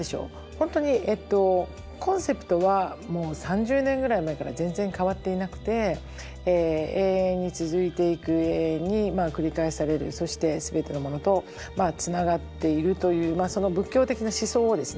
本当にコンセプトはもう３０年ぐらい前から全然変わっていなくて「永遠につづいていく永遠に繰り返されるそして全てのものとつながっている」という仏教的な思想をですね